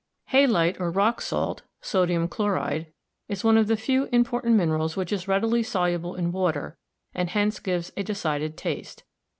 Halite, or rock salt (sodium chloride), is one of the few important minerals which is readily soluble in water and hence gives a decided taste.